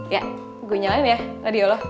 ya gue nyalain ya radio lo